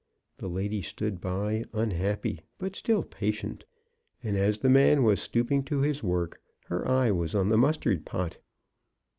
The lady stood by unhappy, but still patient, and as the man was stooping to his work, her eye was on the mustard pot.